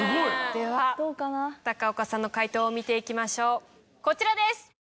では高岡さんの解答を見ていきましょうこちらです。